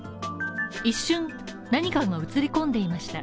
一瞬、何かが映り込んでいました。